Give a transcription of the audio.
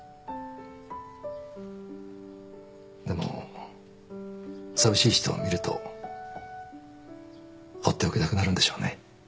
でも寂しい人を見るとほっておけなくなるんでしょうね。